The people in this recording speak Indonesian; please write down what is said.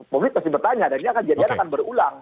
publik pasti bertanya dan jadinya akan berulang